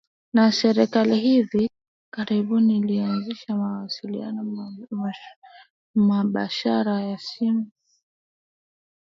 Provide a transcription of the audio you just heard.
na serikali hivi karibuni ilianzisha mawasiliano mubashara ya simu